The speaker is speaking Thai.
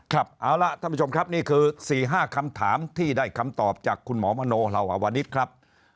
ครับเอาล่ะท่านผู้ชมครับนี่คือ๔๕คำถามที่ได้คำตอบจากคุณหมอมโนลาวอวนิษฐ์ครับ